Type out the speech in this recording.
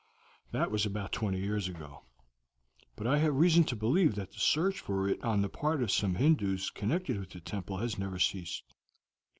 "This was about twenty years ago; but I have reason to believe that the search for it on the part of some Hindoos connected with the temple has never ceased.